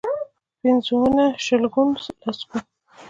پنځونه، شلګون ، لسګون.